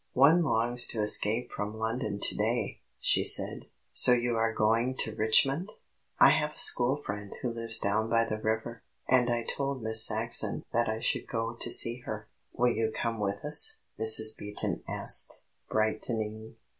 "One longs to escape from London to day," she said. "So you are going to Richmond? I have a school friend who lives down by the river, and I told Miss Saxon that I should go to see her." "Will you come with us?" Mrs. Beaton asked, brightening.